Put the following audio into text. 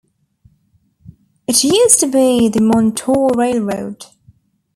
It used to be the Montour Railroad.